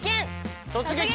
「突撃！